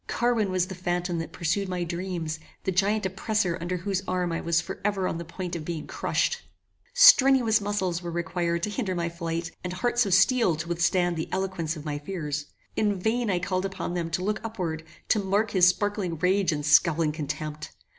Carwin was the phantom that pursued my dreams, the giant oppressor under whose arm I was for ever on the point of being crushed. Strenuous muscles were required to hinder my flight, and hearts of steel to withstand the eloquence of my fears. In vain I called upon them to look upward, to mark his sparkling rage and scowling contempt.